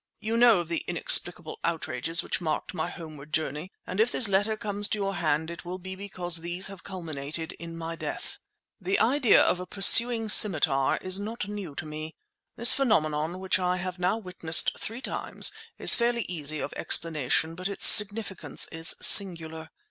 You know of the inexplicable outrages which marked my homeward journey, and if this letter come to your hand it will be because these have culminated in my death. The idea of a pursuing scimitar is not new to me. This phenomenon, which I have now witnessed three times, is fairly easy of explanation, but its significance is singular.